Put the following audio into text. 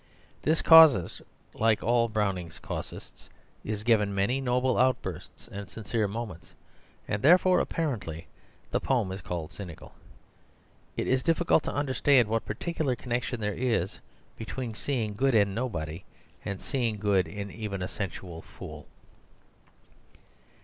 This casuist, like all Browning's casuists, is given many noble outbursts and sincere moments, and therefore apparently the poem is called cynical. It is difficult to understand what particular connection there is between seeing good in nobody and seeing good even in a sensual fool.